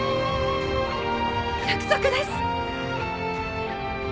約束です